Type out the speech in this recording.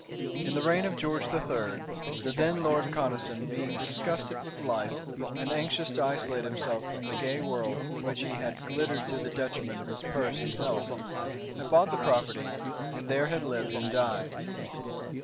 In the reign of George III., the then Lord Conniston being disgusted with life, and anxious to isolate himself from the gay world, in which he had glittered to the detriment of his purse and health, had bought the property and there had lived and died.